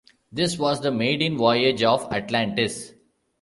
This was the maiden voyage of "Atlantis".